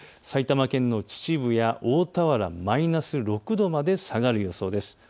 埼玉県の秩父や大田原、マイナス６度まで下がる予想です。